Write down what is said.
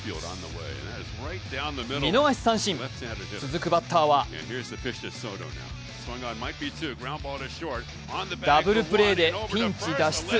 見逃し三振、続くバッターはダブルプレーでピンチ脱出。